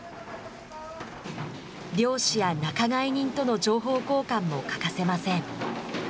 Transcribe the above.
漁師や仲買人との情報交換も欠かせません。